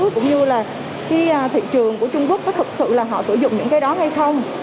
cũng như là cái thị trường của trung quốc có thực sự là họ sử dụng những cái đó hay không